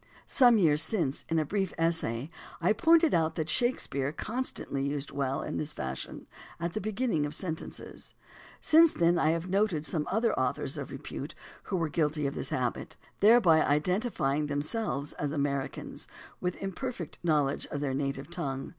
Some years since, in a brief essay, I pointed out that Shakespeare con stantly used "well" in this fashion at the beginning of sentences. Since then I have noted some other au thors of repute who were guilty of this habit, thereby identifying themselves as Americans with an imper fect knowledge of their native tongue.